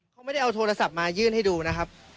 เขาไม่ได้เอาโทรศัพท์มายื่นให้ดูนะครับ